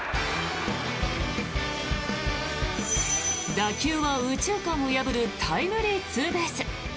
打球は右中間を破るタイムリーツーベース。